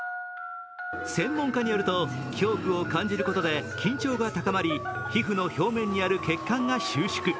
専門家によると、恐怖を感じることで緊張が高まり皮膚の表面にある血管が収縮。